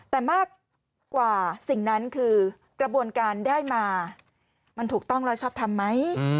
แต่มากกว่าสิ่งนั้นคือกระบวนการได้มามันถูกต้องและชอบทำไหม